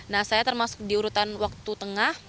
nah saya termasuk di urutan waktu tengah